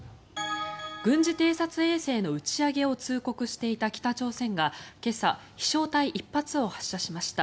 軍事偵察衛星の打ち上げを通告していた北朝鮮が今朝飛翔体１発を発射しました。